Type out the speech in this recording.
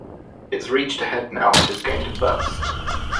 It's reached a head now and is going to burst!